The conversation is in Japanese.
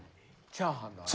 チャーハンのあれ。